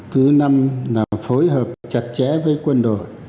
thứ năm là phối hợp chặt chẽ với quân đội